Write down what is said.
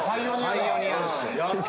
パイオニアだ！